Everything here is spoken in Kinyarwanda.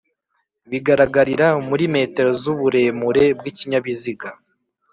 bigaragarira muri m z' uburemure bw' ikinzabiziga